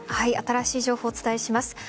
新しい情報をお伝えします。